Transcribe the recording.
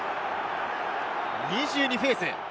２２フェーズ。